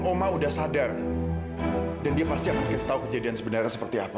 oma udah sadar dan dia pasti akan kasih tahu kejadian sebenarnya seperti apa